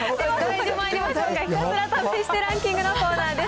ひたすら試してランキングのコーナーです。